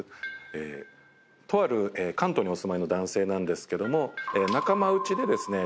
とある関東にお住まいの男性なんですけども仲間内でですね